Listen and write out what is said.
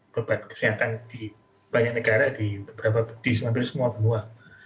beban kesehatan di banyak negara di semua benua